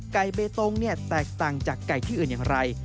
เบตงแตกต่างจากไก่ที่อื่นอย่างไร